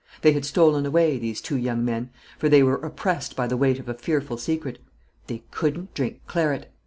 They had stolen away, these two young men; for they were oppressed by the weight of a fearful secret. _They couldn't drink claret!